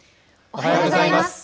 おはようございます。